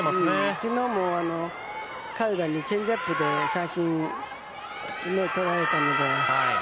昨日もカルダにチェンジアップで三振をとられたので。